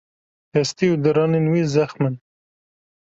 Hestî û diranên wî zexm in.